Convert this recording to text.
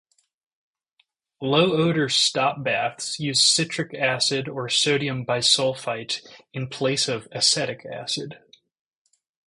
Low-odor stop baths use citric acid or sodium bisulfite in place of acetic acid.